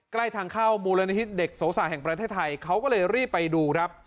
ใกล้ทางเข้ามูลนิธิเด็กโสสะแห่งประเทศไทยเขาก็เลยรีบไปดูครับ